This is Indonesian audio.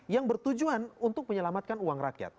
yang bertujuan untuk menyelamatkan uang rakyat